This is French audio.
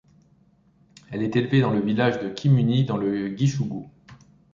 Elle est élevée dans le village de Kimunye, dans le Gichugu.